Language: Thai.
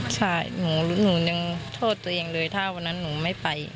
ใช่หนูยังโทษตัวเองเลยถ้าวันนั้นหนูไม่ไป